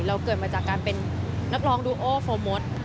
เกิดมาจากการเป็นนักร้องดูโอโฟร์มด